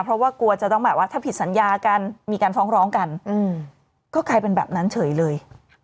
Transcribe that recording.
เพราะว่ากลัวจะต้องแบบว่าถ้าผิดสัญญากันมีการฟ้องร้องกันก็กลายเป็นแบบนั้นเฉยเลย